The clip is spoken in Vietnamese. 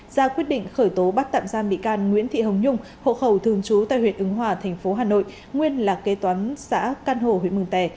ra quyết định khởi tố bắt tạm giam bị can nguyễn thị hồng nhung hộ khẩu thường trú tại huyện ứng hòa thành phố hà nội nguyên là kế toán xã căn hộ huyện mường tè